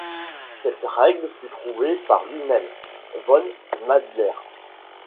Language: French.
Cette règle fut trouvée par lui-même, von Mädler.